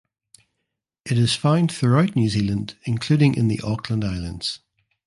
It is found throughout New Zealand including in the Auckland Islands.